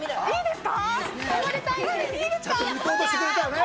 いいんですか。